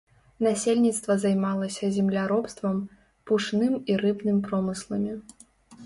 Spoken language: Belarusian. Насельніцтва займалася земляробствам, пушным і рыбным промысламі.